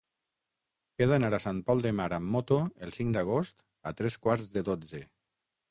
He d'anar a Sant Pol de Mar amb moto el cinc d'agost a tres quarts de dotze.